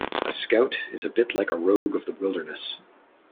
A scout is a bit like a rogue of the wilderness.